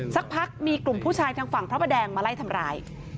สักพักมีกลุ่มผู้ชายทางฝั่งพระประแดงมาไล่ทำร้าย